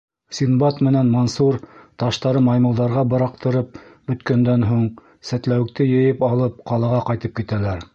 Синдбад менән Мансур, таштарын маймылдарға быраҡтырып бөткәндән һуң, сәтләүекте йыйып алып, ҡалаға ҡайтып китәләр.